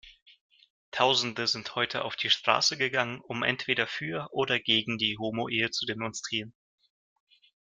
Tausende sind heute auf die Straße gegangen, um entweder für oder gegen die Homoehe zu demonstrieren.